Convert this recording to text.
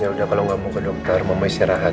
yaudah kalau gak mau ke dokter mama isi rahat ya